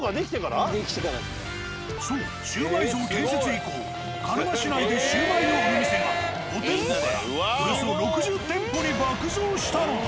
そうシウマイ像建設以降鹿沼市内でシウマイを売る店が５店舗からおよそ６０店舗に爆増したのだ。